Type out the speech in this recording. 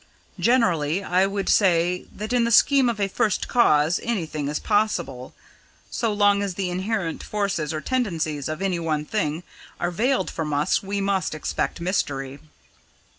Generally, I would say that in the scheme of a First Cause anything is possible. So long as the inherent forces or tendencies of any one thing are veiled from us we must expect mystery."